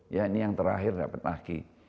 ya ini yang terakhir dapat aki